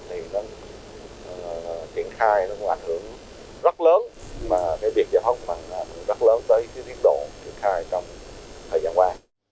thì triển khai nó cũng ảnh hưởng rất lớn mà cái việc giải phóng mặt bằng cũng rất lớn tới tiến độ triển khai trong thời gian qua